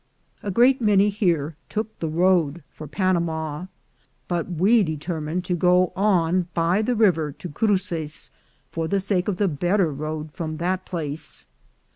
A great many here took the road for Panama, but we determined to go on by the river to Cruces, for the sake of the better road from that place.